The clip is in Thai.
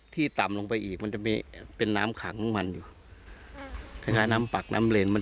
ที่ดันลงไปก็จะเป็นน้ำขาดของมัน